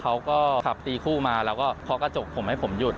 เขาก็ขับตีคู่มาแล้วก็เคาะกระจกผมให้ผมหยุด